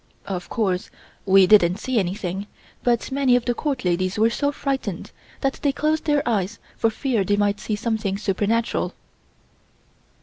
Of course we didn't see anything, but many of the Court ladies were so frightened that they closed their eyes for fear they might see something supernatural.